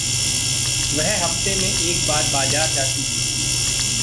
वह हफ़्ते में एक बार बाज़ार जाती थी।